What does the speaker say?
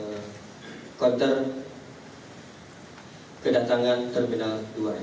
di sektor kedatangan terminal dua